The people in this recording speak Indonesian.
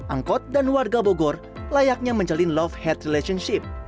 angkot dan warga bogor layaknya menjalin love head relationship